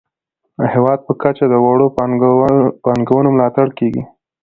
د هیواد په کچه د وړو پانګونو ملاتړ کیږي.